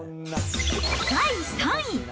第３位。